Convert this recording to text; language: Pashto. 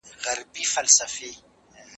د لیکوالو ژوند باید په سمه توګه وڅېړل سی.